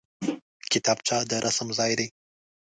کتابچه د رسم ځای دی